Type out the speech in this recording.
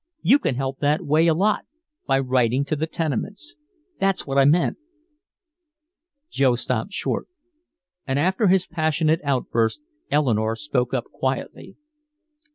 You can help that way a lot by writing to the tenements! That's what I meant!" Joe stopped short. And after his passionate outburst, Eleanore spoke up quietly.